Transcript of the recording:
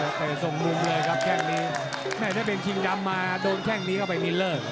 แตะส่งมุมเลยครับแค่งนี้ถ้าเป็นชิงดำมาโดนแค่งนี้ก็ไปมีเลิก